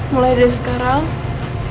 mulai dari sekarang